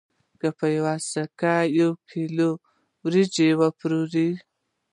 که په یوه سکه یو کیلو وریجې وپېرو